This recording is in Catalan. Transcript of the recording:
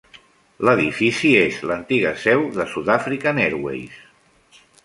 L'edifici és l'antiga seu de South African Airways.